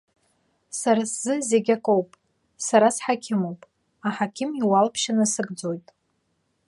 Сара сзы зегьы акоуп, сара сҳақьымуп, аҳақьым иуалԥшьа насыгӡоит.